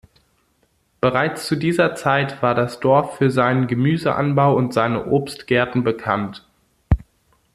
Bereits zu dieser Zeit war das Dorf für seinen Gemüseanbau und seine Obstgärten bekannt.